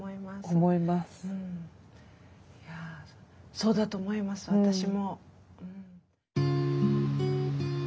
そうだと思います私も。